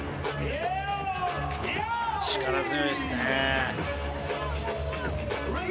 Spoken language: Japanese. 力強いですね。